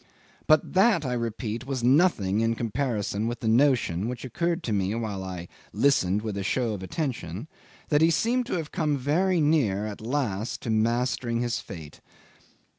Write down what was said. But that, I repeat, was nothing in comparison with the notion, which occurred to me, while I listened with a show of attention, that he seemed to have come very near at last to mastering his fate.